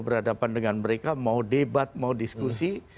berhadapan dengan mereka mau debat mau diskusi